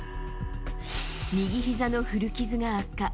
右ひざの古傷が悪化。